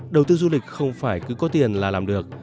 đầu tư du lịch không phải cứ có tiền là làm được